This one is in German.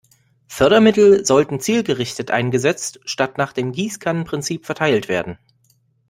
Fördermittel sollten zielgerichtet eingesetzt statt nach dem Gießkannen-Prinzip verteilt werden.